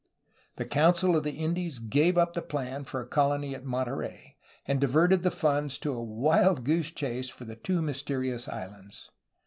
The uncil of the Indies gave up the plan for a colony at JV^oiiterey, and diverted the funds to a wild goose chase for the two mys terious islands.